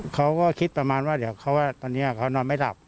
เขาก็คิดประมาณว่าเดี๋ยวตอนนี้เขานอนไม่หลับ